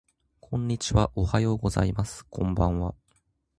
こんにちはおはようございますこんばんは